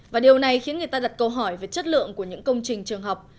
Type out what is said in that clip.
và điều này khiến người ta đặt câu hỏi về chất lượng của những công trình trường học